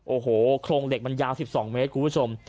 โอ้โหโครงเหล็กมันยาว๑๒เมตรคุณผู้ชม